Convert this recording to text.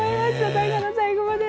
最後の最後まで。